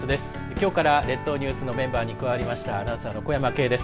きょうから列島ニュースのメンバーに加わりましたアナウンサーの小山径です。